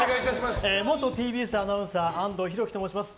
元ＴＢＳアナウンサー安東弘樹と申します。